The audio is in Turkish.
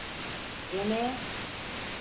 Yemeğe.